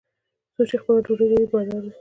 څوک چې خپله ډوډۍ لري، بادار دی.